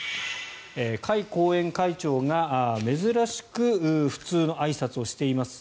甲斐後援会長が珍しく普通のあいさつをしています